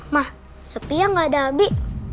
mah sepi ya gak ada abi